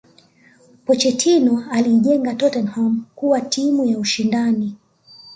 pochetino aliijenga tottenham kuwa timu ya ushindani